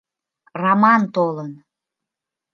— Раман толын.